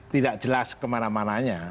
tidak jelas kemana mananya